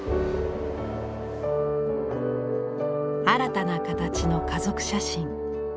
新たな形の家族写真。